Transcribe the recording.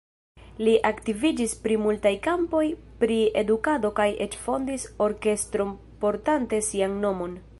Li aktiviĝis pri multaj kampoj pri edukado kaj eĉ fondis orkestron portante sian nomon.